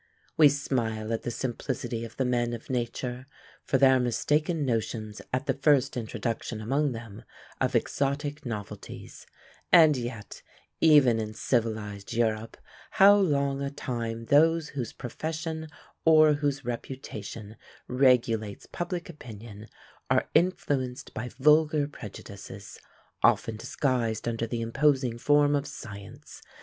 We smile at the simplicity of the men of nature, for their mistaken notions at the first introduction among them of exotic novelties; and yet, even in civilised Europe, how long a time those whose profession or whose reputation regulates public opinion are influenced by vulgar prejudices, often disguised under the imposing form of science!